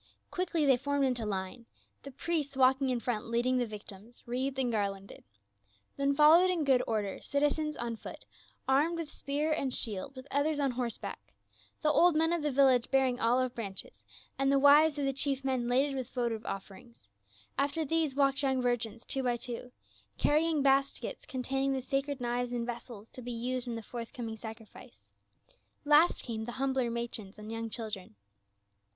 Quickly they formed into line, the priests walking in front leading the \ ictims, wreathed and garlanded. Then followed in good order, citizens on foot, armed with spear and shield, with others on horse back ; the old men of the village bearing olive branches, and the wives of the chief men laden with votive offer ings ; after these walked young \ irgins two b}* two, carr}*ing baskets containing the sacred knives and ves sels to be used in the forthcoming sacrifice ; last came the humbler matrons and young children.